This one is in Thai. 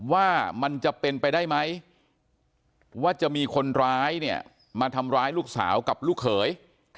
ว่ามันจะเป็นไปได้ไหมว่าจะมีคนร้ายเนี่ยมาทำร้ายลูกสาวกับลูกเขย